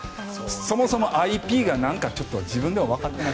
そもそもＩＰが何か自分でもわかってない。